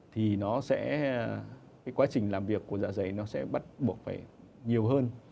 thì nó sẽ cái quá trình làm việc của dạ giấy nó sẽ bắt buộc phải nhiều hơn